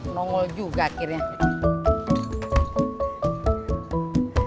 nongol juga akhirnya